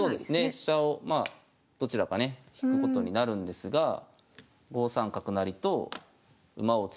飛車をまあどちらかね引くことになるんですが５三角成と馬を作って。